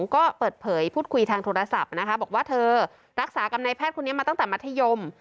ก็เปิดเผยพูดคุยทางโทรศัพท์นะคะบอกว่าเธอรักษากับนายแพทย์คนนี้มาตั้งแต่มัธยม